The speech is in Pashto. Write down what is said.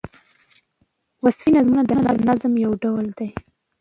وصفي نظمونه د نظم یو ډول دﺉ.